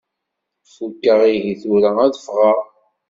Fukkeɣ, ihi tura ad ffɣeɣ.